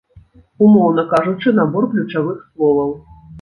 Умоўна кажучы, набор ключавых словаў.